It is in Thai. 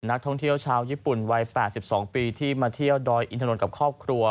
นักท่องเที่ยวชาวญี่ปุ่นวัย๘๒ปีที่มาเที่ยวดอยอินถนนกับครอบครัว